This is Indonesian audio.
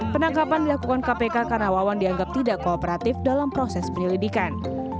penangkapan dilakukan kpk karena wawan dianggap tidak kooperatif dalam proses penyelidikan